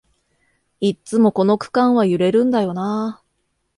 いっつもこの区間は揺れるんだよなあ